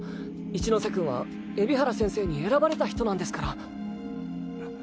一ノ瀬君は海老原先生に選ばれた人なんですから。